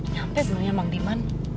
nyampe sebelumnya mang diman